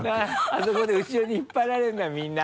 あそこで後ろに引っ張られるんだみんな。